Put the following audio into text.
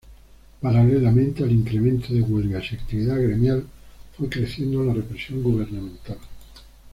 Paralelamente al incremento de huelgas y actividad gremial, fue creciendo la represión gubernamental.